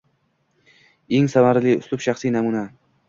Eng samarali uslub – shaxsiy namuna